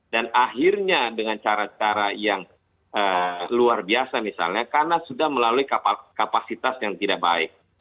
dan akhirnya dengan cara cara yang luar biasa misalnya karena sudah melalui kapasitas yang tidak baik